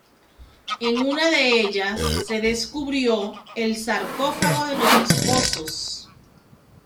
En una de ellas se descubrió el sarcófago de los esposos.